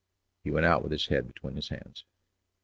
He went out with his head between his hands.